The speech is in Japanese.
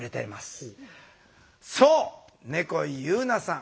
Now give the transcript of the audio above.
そう猫井夕菜さん。